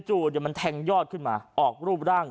มันแทงยอดขึ้นมาออกรูปร่าง